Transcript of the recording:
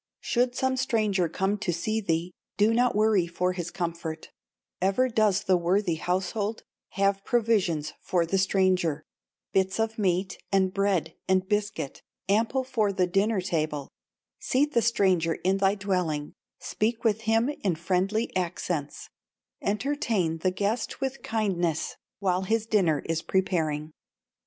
"Should some stranger come to see thee, Do not worry for his comfort; Ever does the worthy household Have provisions for the stranger, Bits of meat, and bread, and biscuit, Ample for the dinner table; Seat the stranger in thy dwelling, Speak with him in friendly accents, Entertain the guest with kindness, While his dinner is preparing.